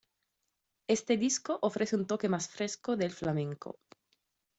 Este disco ofrece un toque más fresco del flamenco.